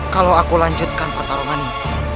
kalau aku lanjutkan pertarungan ini